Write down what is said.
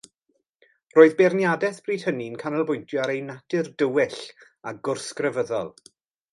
Roedd beirniadaeth bryd hynny'n canolbwyntio ar ei natur dywyll a gwrth-grefyddol.